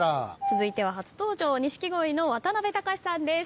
続いては初登場錦鯉の渡辺隆さんです。